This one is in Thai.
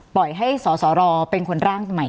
ปล่อยให้สสรเป็นคนร่างใหม่